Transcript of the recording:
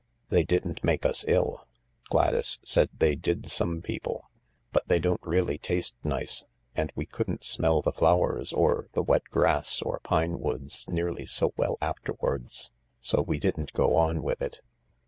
They didn't make us ill. ... Gladys said they did some people — but they don't really taste nice, and we couldn't smell the flowers or the wet grass or pine woods nearly so well after wards. So we didn't go on with it."